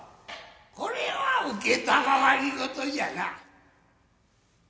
これは承り事じゃな。